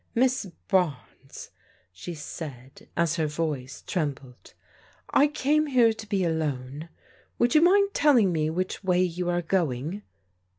" Miss Barnes," she said, as her voice trembled, " I came here to be alone. Would you mind telling me which way you are going?"